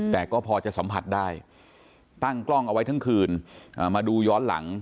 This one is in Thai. แต่ก็พอจะสัมผัสได้ตั้งกล้องเอาไว้ทั้งคืนมาดูย้อนหลัง